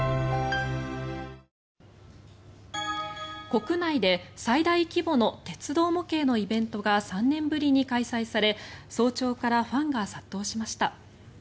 国内で最大規模の鉄道模型のイベントが３年ぶりに開催され早朝からファンが殺到しました。